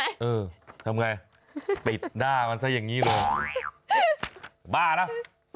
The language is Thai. เออทำไงปิดหน้ามันซะอย่างนี้เลยบ้าแล้ว